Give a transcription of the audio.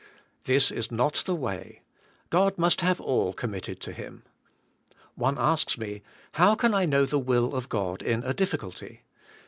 This is not the way. God must have all committed to Him. One asks me, How can I know the will of God in a diffi culty